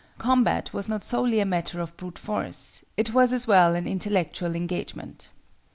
Combat was not solely a matter of brute force; it was, as well, an intellectual engagement.